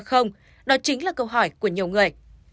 không đó chính là câu hỏi của nhiều người